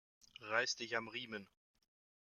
Reiß dich am Riemen!